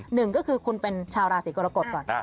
หนึ่งก็คือคุณเป็นชาวราศีกรกฎก่อน